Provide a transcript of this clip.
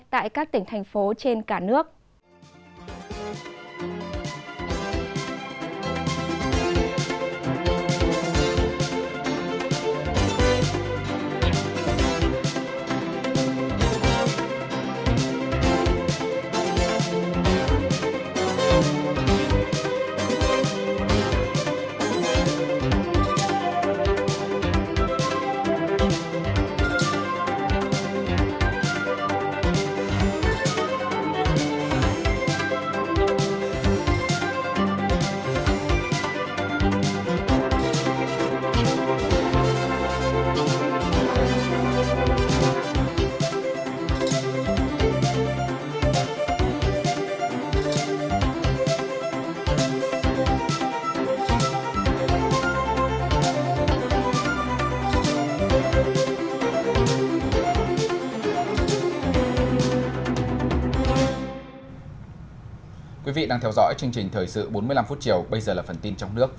tại các tỉnh thành phố trên cả nước